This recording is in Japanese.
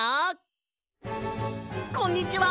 こんにちは！